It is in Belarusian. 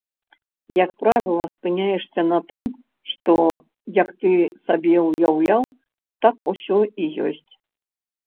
Як правіла, спыняешся на тым, што, як ты сабе ўяўляў, так усё і ёсць.